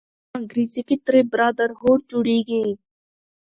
چې په انګريزۍ کښې ترې Brotherhood جوړيږي